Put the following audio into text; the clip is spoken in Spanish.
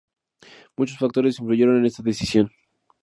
Muchos factores influyeron en esta decisión.